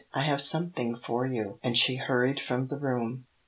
I have something for you," and she hurried from the room.